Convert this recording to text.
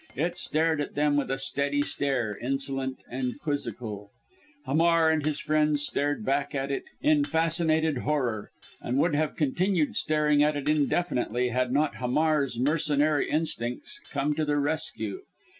It stared at them with a steady stare insolent and quizzical. Hamar and his friends stared back at it in fascinated horror, and would have continued staring at it indefinitely, had not Hamar's mercenary instincts come to their rescue.